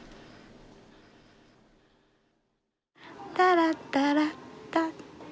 タラッタラッタッタ。